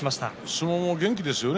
相撲も元気ですよね